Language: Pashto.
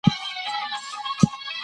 که تلوسه نه وي نو کيسه خوند نه کوي.